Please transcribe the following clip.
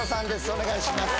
お願いします